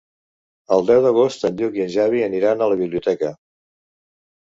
El deu d'agost en Lluc i en Xavi aniran a la biblioteca.